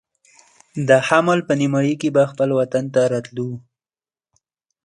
د حمل په نیمایي کې به خپل وطن ته راتلو.